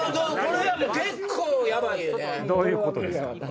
どういうことですか？